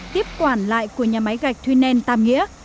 tiếp quản lại của nhà máy gạch thuy nen tam nghĩa